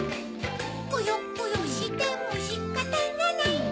くよくよしてもしかたがない